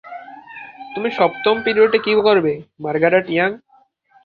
তুমি সপ্তম পিরিয়ডে কি করবে, মার্গারেট ইয়াং?